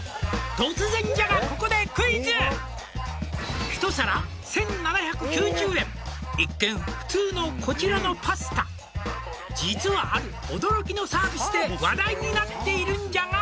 「突然じゃがここでクイズ」「一皿１７９０円」「一見普通のこちらのパスタ」「実はある驚きのサービスで話題になっているんじゃが」